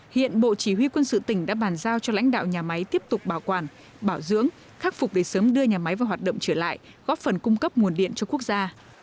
hiện bộ chỉ huy quân sự tỉnh đã bàn giao cho lãnh đạo nhà máy tiếp tục bảo quản bảo dưỡng khắc phục để sớm đưa nhà máy vào hoạt động trở lại góp phần cung cấp nguồn điện cho quốc gia